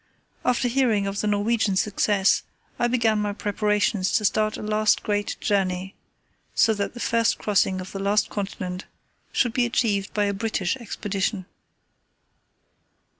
After hearing of the Norwegian success I began to make preparations to start a last great journey—so that the first crossing of the last continent should be achieved by a British Expedition.